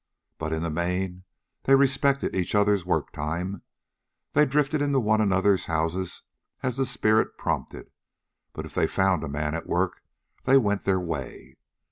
But in the main, they respected each other's work time. They drifted into one another's houses as the spirit prompted, but if they found a man at work they went their way.